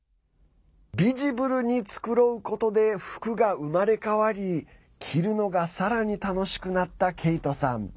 ビジブルに繕うことで服が生まれ変わり着るのが、さらに楽しくなったケイトさん。